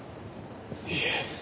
いえ。